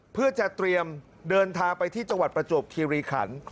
เพื่อจะเตรียมเดินทางไปที่จังหวัดประจวบคีรีขัน